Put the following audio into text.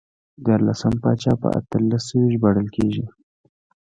دیارلسم پاچا په اتلس سوی ژباړل کېږي.